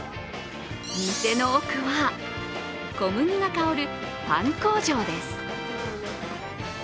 店の奥は、小麦が香るパン工場です。